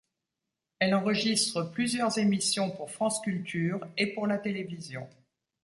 Elle enregistre plusieurs émissions pour France Culture et pour la télévision.